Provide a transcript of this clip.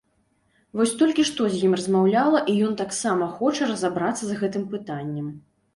Вось толькі што з ім размаўляла, і ён таксама хоча разабрацца з гэтым пытаннем!